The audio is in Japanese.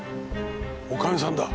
女将さんだ。